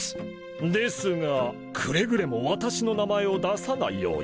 ですがくれぐれも私の名前を出さないように。